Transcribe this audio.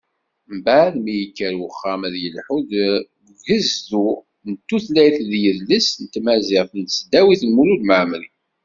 Mbeɛd mi yekker uxxam ad yelḥu deg ugezdu n tutlayt d yidles n tmaziɣt n tesdawit n Mulud Mɛemmeri.